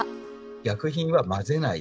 薬品は混ぜない。